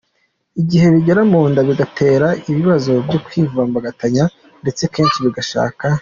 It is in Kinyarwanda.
igihe bigera mu nda bigatera ibibazo byo kwivumbagatanya ndetse kenshi bigashaka